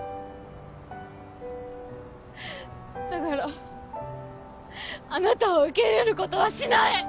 だからあなたを受け入れることはしない！